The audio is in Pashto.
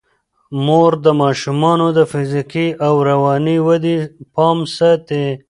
مور د ماشومانو د فزیکي او رواني ودې پام ساتي.